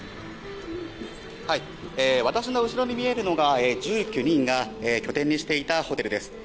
私の後ろに見えるのが１９人が拠点にしていたホテルです。